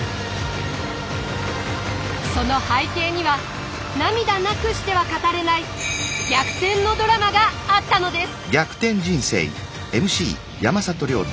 その背景には涙なくしては語れない逆転のドラマがあったのです。